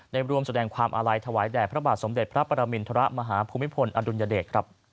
รวมแสดงความอาลัยถวายแด่พระบาทสมเด็จพระปรมินทรมาฮภูมิพลอดุลยเดช